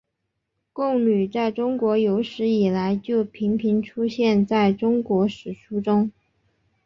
贡女在中国有史以来就频频出现在中国史书中。